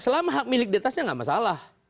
selama hak milik di atasnya enggak masalah